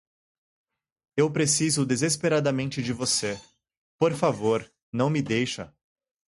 Eu preciso desesperadamente de você, por favor não me deixa